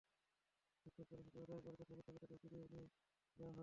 বিক্ষোভকারী ছাত্রদের দাবি, পরীক্ষা স্থগিত রেখে তাঁদের ফিরিয়ে নিয়ে যাওয়া হোক।